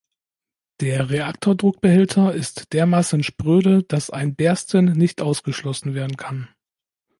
Der Reaktordruckbehälter ist dermaßen spröde, dass ein Bersten nicht ausgeschlossen werden kann.